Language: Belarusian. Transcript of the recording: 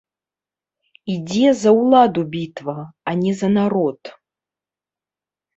Ідзе за ўладу бітва, а не за народ.